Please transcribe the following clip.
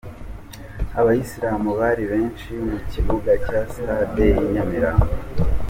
Abayisilamu bari benshi mu kibuga cya stade y'i Nyamirambo.